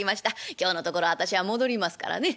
今日のところは私は戻りますからね。